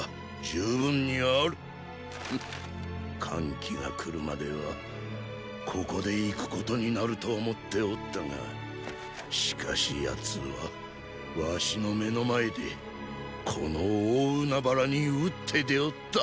桓騎が来るまではここで逝くことになると思っておったがしかし奴は儂の目の前でこの大海原に討って出おった。